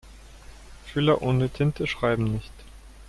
Füller ohne Tinte schreiben nicht.